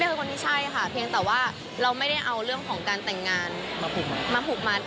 คือคนที่ใช่ค่ะเพียงแต่ว่าเราไม่ได้เอาเรื่องของการแต่งงานมาผูกมัด